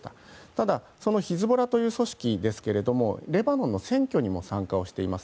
ただ、そのヒズボラという組織ですがレバノンの選挙にも参加をしています。